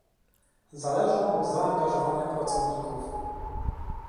Zależą od zaangażowania pracowników